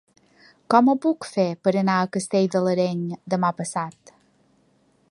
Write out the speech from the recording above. Com ho puc fer per anar a Castell de l'Areny demà passat?